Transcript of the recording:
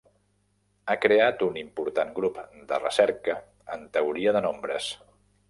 Ha creat un important grup de recerca en teoria de nombres.